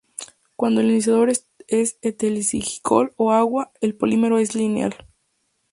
Cuando el iniciador es etilenglicol o agua, el polímero es lineal.